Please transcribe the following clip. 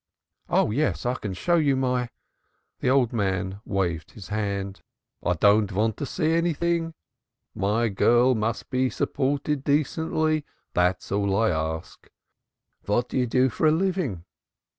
"Oh yes, I can show you my " The old man waved his hand. "I don't want to see anything. My girl must be supported decently that is all I ask. What do you do for a living?"